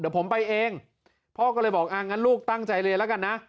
เดี๋ยวผมไปเองพ่อก็เลยบอกอ่างั้นลูกตั้งใจเรียนแล้วกันนะ